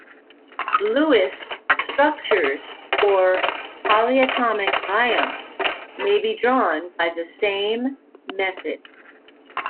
Lewis structures for polyatomic ions may be drawn by the same method.